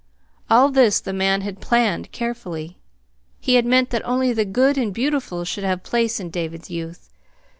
All this the man had planned carefully. He had meant that only the good and beautiful should have place in David's youth.